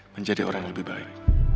menjadi orang yang lebih baik